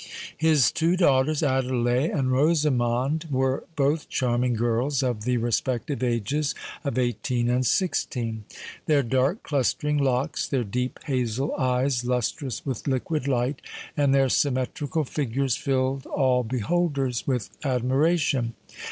His two daughters, Adelais and Rosamond, were both charming girls, of the respective ages of eighteen and sixteen. Their dark clustering locks, their deep hazel eyes lustrous with liquid light, and their symmetrical figures filled all beholders with admiration.